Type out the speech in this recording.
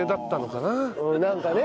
なんかね。